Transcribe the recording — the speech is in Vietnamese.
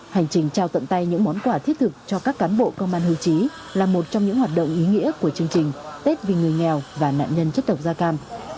hành trình trao tận tay những món quà thiết thực cho các cán bộ công an hưu trí là một trong những hoạt động ý nghĩa của chương trình tết vì người nghèo và nạn nhân chất độc da cam